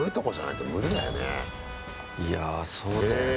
いや、そうだね。